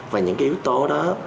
và những cái yếu tố đó